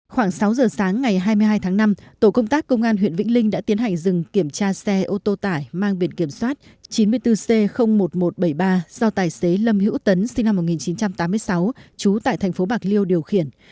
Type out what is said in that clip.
khoảng sáu giờ sáng ngày hai mươi hai tháng năm tổ công tác công an huyện vĩnh linh đã tiến hành dừng kiểm tra xe ô tô tải mang biển kiểm soát chín mươi bốn c một nghìn một trăm bảy mươi ba do tài xế lâm hữu tấn sinh năm một nghìn chín trăm tám mươi sáu trú tại thành phố bạc liêu điều khiển